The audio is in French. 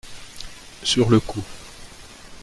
Sur le coup.